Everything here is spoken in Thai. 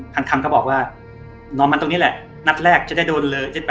คำก็บอกว่านอนมันตรงนี้แหละนัดแรกจะได้โดนเลย